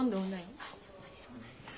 やっぱりそうなんだ。